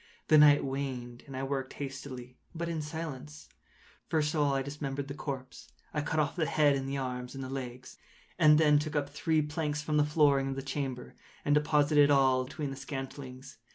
The night waned, and I worked hastily, but in silence. First of all I dismembered the corpse. I cut off the head and the arms and the legs. I then took up three planks from the flooring of the chamber, and deposited all between the scantlings.